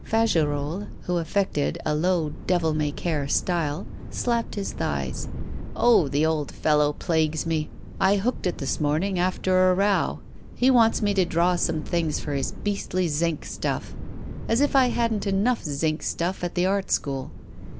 Fagerolles, who affected a low devil may care style, slapped his thighs. 'Oh, the old fellow plagues me! I hooked it this morning, after a row. He wants me to draw some things for his beastly zinc stuff. As if I hadn't enough zinc stuff at the Art School.